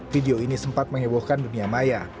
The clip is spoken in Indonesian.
video ini sempat mengebohkan dunia maya